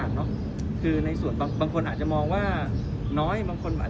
หลังจากที่เรายิ่งคำลองแล้วตามขั้นตอนของกฎหมาย